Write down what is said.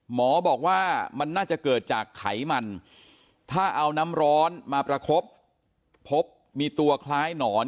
หมอบอกว่ามันน่าจะเกิดจากไขมันถ้าเอาน้ำร้อนมาประคบพบมีตัวคล้ายหนอน